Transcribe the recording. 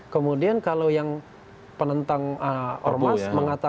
kemudian kalau yang penentang ormas